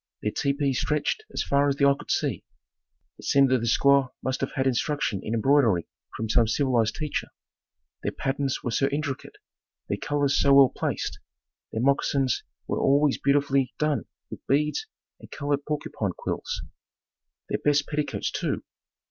Their tepees stretched as far as the eye could see. It seemed that the squaws must have had instruction in embroidery from some civilized teacher. Their patterns were so intricate. Their colors so well placed. Their moccasins were always beautifully done with beads and colored porcupine quills; their best petticoats, too.